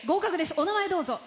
お名前、どうぞ。